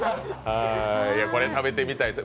これ、食べてみたいです。